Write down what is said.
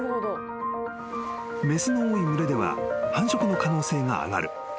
［雌の多い群れでは繁殖の可能性が上がる］